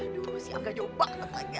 aduh si angga jombak